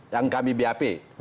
yang kami bap